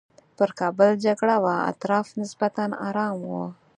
پر کابل جګړه وه اطراف نسبتاً ارام وو.